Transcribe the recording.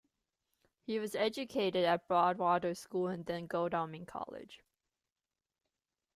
He was educated at Broadwater School and then Godalming College.